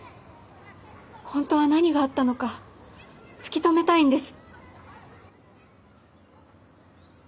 本当は何があったのか突き止めたいんです。